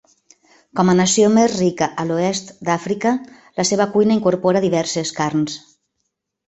Com a nació més rica a l'oest d'Àfrica, la seva cuina incorpora diverses carns.